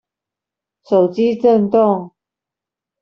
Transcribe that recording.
手機震動